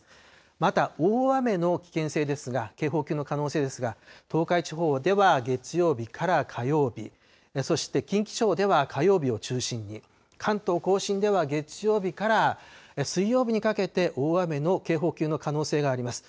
また大雨の危険性ですが、警報級の可能性ですが、東海地方では月曜日から火曜日、そして近畿地方では火曜日を中心に、関東甲信では月曜日から水曜日にかけて、大雨の警報級の可能性があります。